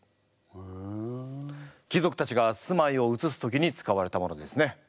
貴族たちが住まいをうつす時に使われたものですね。